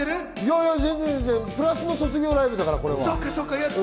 プラスの卒業ライブだから。